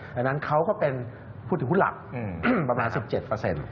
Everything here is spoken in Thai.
ดังนั้นเขาก็เป็นผู้ถูกหลักประมาณ๑๗